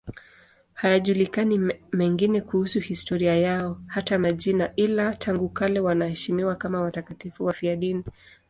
Hayajulikani mengine kuhusu historia yao, hata majina, ila tangu kale wanaheshimiwa kama watakatifu wafiadini.